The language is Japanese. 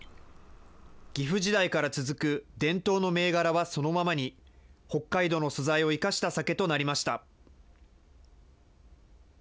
岐阜時代から続く伝統の銘柄はそのままに、北海道の素材を生かした酒となりました。